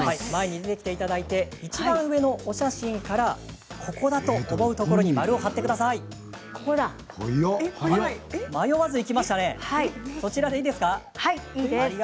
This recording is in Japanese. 出てきていただいていちばん上の写真からここだと思うところに貼ってください。